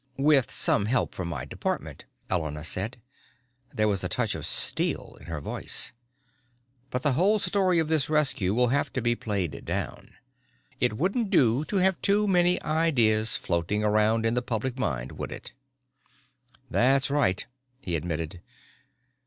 "With some help from my department," Elena said. There was a touch of steel in her voice. "But the whole story of this rescue will have to be played down. It wouldn't do to have too many ideas floating around in the public mind, would it?" "That's right," he admitted.